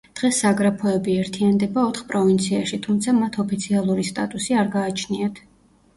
დღეს საგრაფოები ერთიანდება ოთხ პროვინციაში, თუმცა მათ ოფიციალური სტატუსი არ გააჩნიათ.